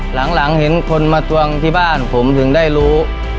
หลังเห็นคนมาทวงที่บ้านผมถึงได้รู้